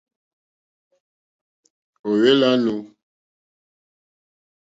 Ò hwé !lánù.